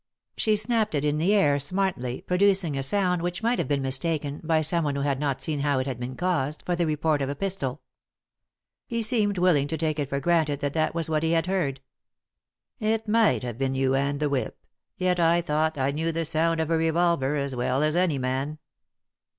She snapped it in the air, smartly, producing a sound which might have been mistaken, by someone who had not seen how it had been caused, for the report of a 179 3i 9 iii^d by Google THE INTERRUPTED KISS pistol. He seemed willing to take it for granted that that was what he had heard. " It might have been you and the whip ; yet I thought I knew the sound of a revolver as well as any man."